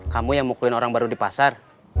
kamu yang mukulin orang baru di pasar